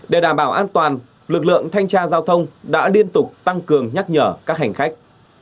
để đảm bảo an toàn lực lượng thanh tra giao thông đã liên tục tăng cường nhắc nhở các hành khách